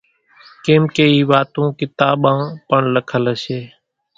ڪيمڪي اِي واتون ڪتاٻان پڻ لکل ھشي